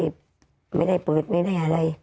กลัวทันไม่ได้เปิดไม่ได้อะไร